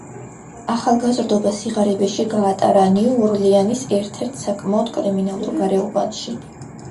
ახალგაზრდობა სიღარიბეში გაატარა ნიუ-ორლეანის ერთ-ერთ საკმაოდ კრიმინალურ გარეუბანში.